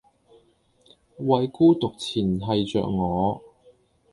為孤獨纏繫著我